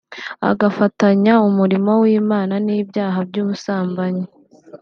agafatanya umurimo w’Imana n’ibyaha by’ubusambanyi